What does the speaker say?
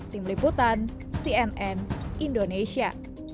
tim liputan cnn indonesia